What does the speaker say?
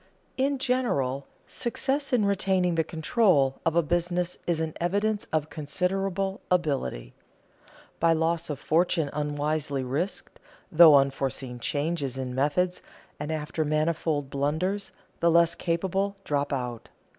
In general, success in retaining the control of a business is an evidence of considerable ability. By loss of fortune unwisely risked, through unforeseen changes in methods, and after manifold blunders, the less capable drop out.